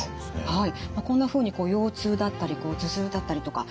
はい。